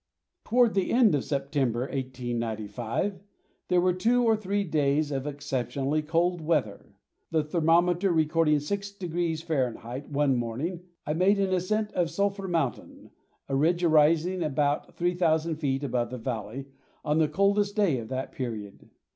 Toward the end of September, 1895, there were two or three days of exceptionally cold weather, the thermometer recording 6° Fahrenheit one morning. I made an ascent of Sulphur Mountain, a ridge rising about 3,000 feet above the valley, on the coldest day of that period.